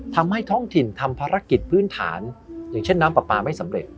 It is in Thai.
ทำให้ท้องถิ่นทำภารกิจพื้นฐานอย่างเช่นน้ำปลาปลาไม่สำเร็จ